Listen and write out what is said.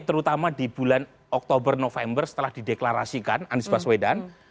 terutama di bulan oktober november setelah dideklarasikan anies baswedan